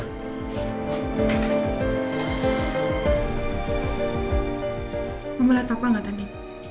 kamu lihat papa gak tadi